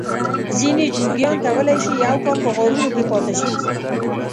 ځینې جوګیان کولای شي یو کال په غارونو کې پاته شي.